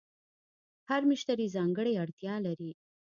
هر مشتری ځانګړې اړتیا لري.